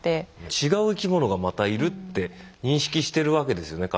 違う生き物がまたいるって認識してるわけですよね